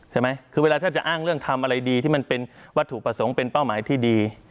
ใช่ไหมคือเวลาถ้าจะอ้างเรื่องทำอะไรดีที่มันเป็นวัตถุประสงค์เป็นเป้าหมายที่ดี